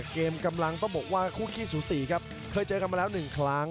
กำลังต้องบอกว่าคู่ขี้สูสีครับเคยเจอกันมาแล้ว๑ครั้ง